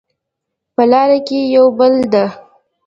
په لاره کې یو پل ده